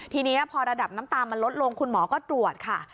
ทีนี้พอระดับน้ำตาลมันลดลงคุณหมอก็ตรวจค่ะ